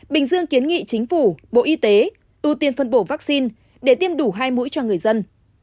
bình dương kiến nghị chính phủ bộ y tế ưu tiên phân bổ vaccine để tiêm đủ hai mũi cho người dân